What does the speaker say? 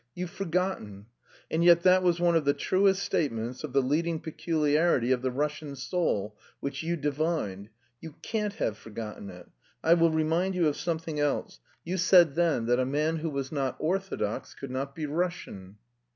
You've forgotten? And yet that was one of the truest statements of the leading peculiarity of the Russian soul, which you divined. You can't have forgotten it! I will remind you of something else: you said then that 'a man who was not orthodox could not be Russian.'"